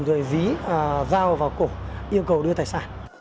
rồi dí dao vào cổ yêu cầu đưa tài sản